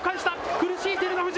苦しい照ノ富士。